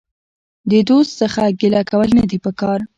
د دوست څخه ګيله کول نه دي په کار.